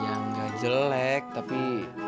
ya nggak jelek tapi